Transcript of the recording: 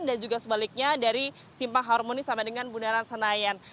dan juga sebaliknya dari simpang harmoni sampai dengan bunderan senayan